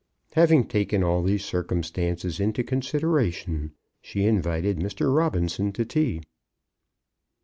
Having taken all these circumstances into consideration, she invited Mr. Robinson to tea.